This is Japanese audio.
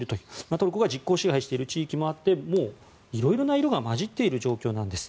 トルコが実効支配している地域もありいろいろな色が混じっている状況です。